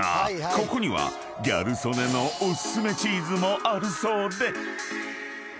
ここにはギャル曽根のお薦めチーズもあるそうで］